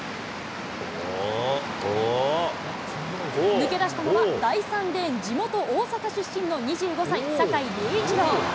抜け出したのは第３レーン、地元、大阪出身の２５歳、坂井隆一郎。